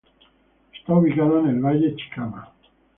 Está ubicado en el Valle Chicama.